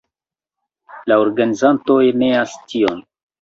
La organizantoj neas tion.